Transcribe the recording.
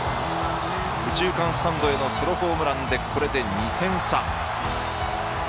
右中間スタンドへのソロホームランでこれで２点差。